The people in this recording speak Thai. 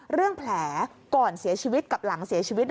เรื่องแผลก่อนเสียชีวิตกับหลังเสียชีวิต